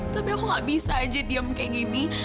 tapi aku gak bisa aja diam kayak gini